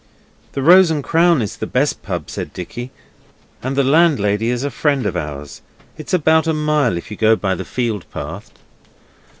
'The "Rose and Crown" is the best pub,' said Dicky, 'and the landlady is a friend of ours. It's about a mile if you go by the field path.